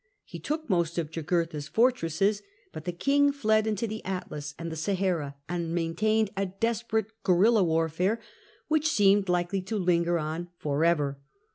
He took most of Jugurtha's fortresses, but the king fled into the Atlas and the Sahara, and maintained a desperate guerilla warfare which seemed likely to linger on for ever.